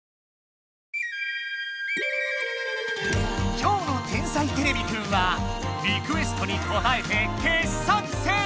今日の「天才てれびくん」はリクエストにこたえて傑作選！